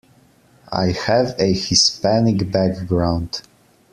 I have a Hispanic background